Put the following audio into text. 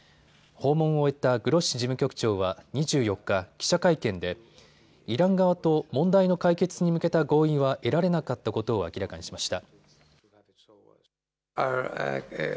訪問を終えたグロッシ事務局長は２４日、記者会見でイラン側と問題の解決に向けた合意は得られなかったことを明らかにしました。